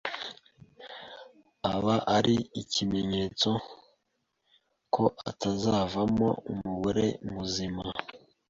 aba ari ikimenyetso ko atazavamo umugore muzima.